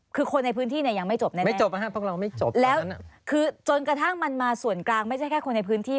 คือคนในพื้นที่ยังไม่จบแน่จนกระทั่งมันมาส่วนกลางไม่ใช่แค่คนในพื้นที่